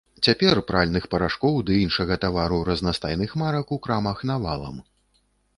Цяпер пральных парашкоў ды і іншага тавару разнастайных марак у крамах навалам.